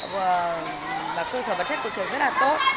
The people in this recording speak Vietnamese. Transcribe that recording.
vừa cơ sở vật chất của trường rất là tốt